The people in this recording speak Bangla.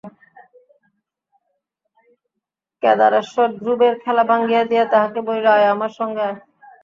কেদারেশ্বর ধ্রুবের খেলা ভাঙিয়া দিয়া তাহাকে বলিল, আয় আমার সঙ্গে আয়।